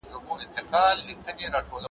په دنیا کي مو وه هر څه اورېدلي `